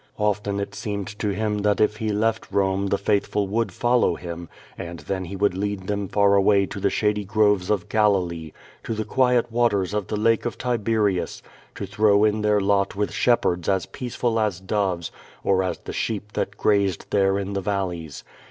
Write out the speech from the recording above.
Often it seemed to him that if he left Rome the faithful would folow him, and then he would lead them far away to the shady groves of Galilee, to the quiet waters of the Lake of Tiberius, to throw in their lot with shepherds as i>eaceful as doves or as the sheep that grazed there in the valleys.